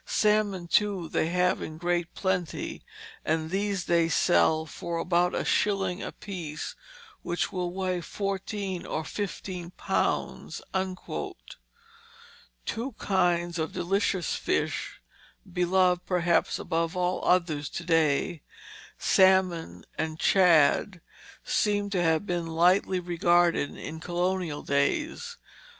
Salmon, too, they have in great plenty, and these they sell for about a shilling apiece which will weigh fourteen or fifteen pounds." Two kinds of delicious fish, beloved, perhaps, above all others to day, salmon and shad, seem to have been lightly regarded in colonial days.